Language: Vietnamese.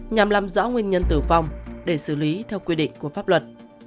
nhằm làm rõ nguyên nhân tử vong để xử lý theo quy định của pháp luật